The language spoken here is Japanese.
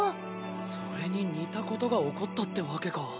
それに似たことが起こったってわけか。